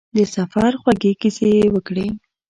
د سفر خوږې کیسې یې وکړې.